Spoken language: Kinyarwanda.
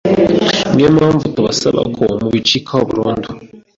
Ni yo mpamvu tubasaba ko mubicikaho burundu